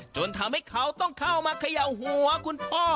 จนทำให้เขาต้องเข้ามาเขย่าหัวคุณพ่อ